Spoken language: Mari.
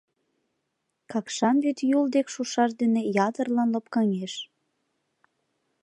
Какшан вӱд Юл дек шушаш дене ятырлан лопкаҥеш.